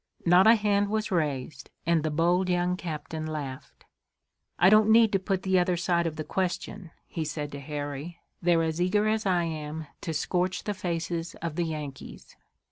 Not a hand was raised, and the bold young captain laughed. "I don't need to put the other side of the question," he said to Harry. "They're as eager as I am to scorch the faces of the Yankees."